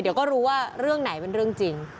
เดี๋ยวก็รู้ว่าเรื่องไหนเป็นเรื่องจริง